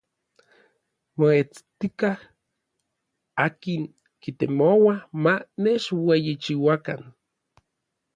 Moetstikaj n akin kitemoua ma nechueyichiuakan.